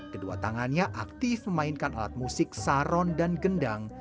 kedua tangannya aktif memainkan alat musik saron dan gendang